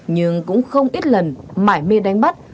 nhưng cũng không ít lần mãi mê đánh bắt